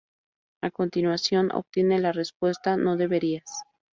A continuación, obtienen la respuesta: "No deberías!